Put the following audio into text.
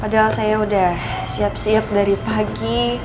padahal saya sudah siap siap dari pagi